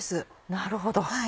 なるほど。